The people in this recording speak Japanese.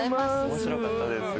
面白かったです